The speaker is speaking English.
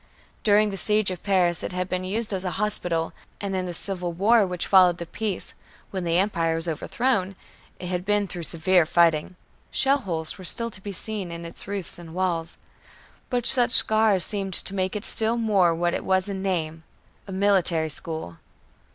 During the siege of Paris it had been used as a hospital; and in the civil war which followed the peace, when the Empire was overthrown, it had been through severe fighting. Shell holes were still to be seen in its roofs and walls. But such scars seemed to make it still more what it was in name, a military school.